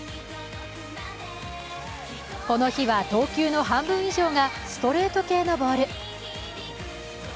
この日は投球の半分以上がストレート系のボール。